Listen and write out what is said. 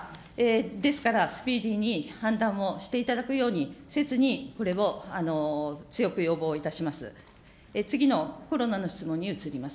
ですから、スピーディーに判断をしていただくように、せつにこれを強く要望いたします。